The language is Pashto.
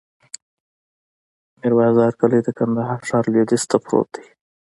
د میر بازار کلی د کندهار ښار لویدیځ ته پروت دی.